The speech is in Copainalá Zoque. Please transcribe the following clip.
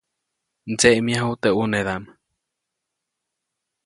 Mdseʼmyaju teʼ ʼunedaʼm.